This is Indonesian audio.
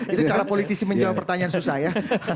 itu cara politisi menjawab pertanyaan susah ya